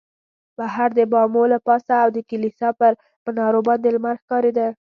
بهر د بامو له پاسه او د کلیسا پر منارو باندې لمر ښکارېده.